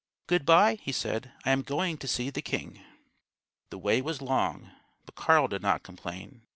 "Good bye!" he said; "I am going to see the king." The way was long, but Carl did not complain.